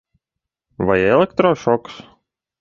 Vai elektrošoks?